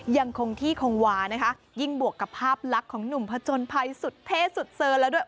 ยังคงที่คงวานะคะยิ่งบวกกับภาพลักษณ์ของหนุ่มผจญภัยสุดเท่สุดเซินแล้วด้วย